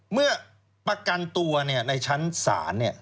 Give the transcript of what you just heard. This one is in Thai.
เมื่อประกันตัวในชั้นศาล